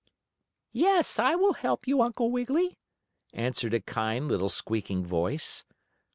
"Yes, I will help you, Uncle Wiggily," answered a kind, little squeaking voice.